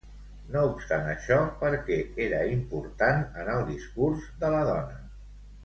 No obstant això, per què era important en el discurs de la dona?